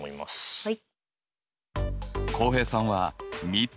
はい。